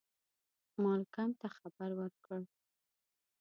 مالکم ته خبر ورکړ.